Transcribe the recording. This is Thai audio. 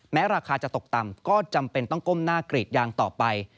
ราคาจะตกต่ำก็จำเป็นต้องก้มหน้ากรีดยางต่อไป